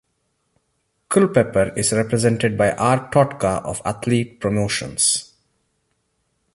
Culpepper is represented by R. Totka of Athlete Promotions.